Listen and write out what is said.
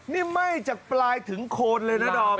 มันเม่ยจากปลายถึงโคลดเลยแน่นอน